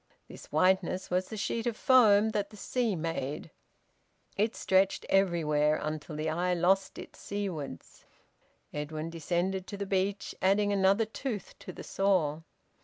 This whiteness was the sheet of foam that the sea made. It stretched everywhere, until the eye lost it seawards. Edwin descended to the beach, adding another tooth to the saw.